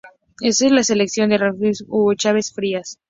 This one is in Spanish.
En esta elección es reelecto Hugo Chávez Frías.